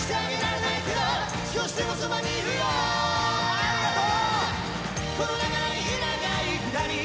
ありがとう！